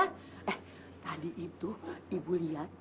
eh tadi itu ibu lihat